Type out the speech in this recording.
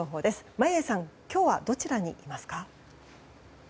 眞家さん今日はどちらにいますか？